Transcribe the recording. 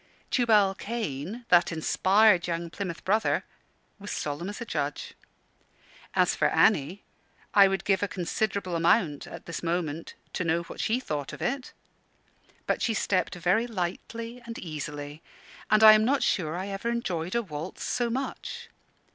Tubal Cain, that inspired young Plymouth Brother, was solemn as a judge. As for Annie, I would give a considerable amount, at this moment, to know what she thought of it. But she stepped very lightly and easily, and I am not sure I ever enjoyed a waltz so much.